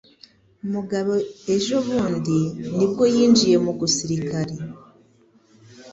Mugabo ejo bundi nibwo yinjiye mugusirikare